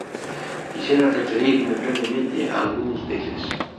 Quixera referirme brevemente a algúns deles.